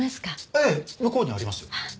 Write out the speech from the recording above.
ええ向こうにありますよ。